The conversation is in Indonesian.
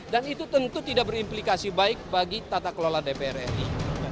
dan itu tentu tidak berimplikasi baik bagi tata kelola dpr ri